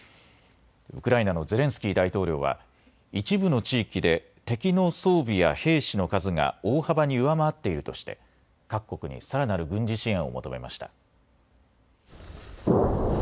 ウクライナのゼレンスキー大統領は一部の地域で敵の装備や兵士の数が大幅に上回っているとして各国にさらなる軍事支援を求めました。